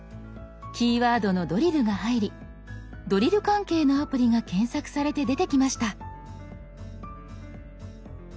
キーワードの「ドリル」が入りドリル関係のアプリが検索されて出てきました。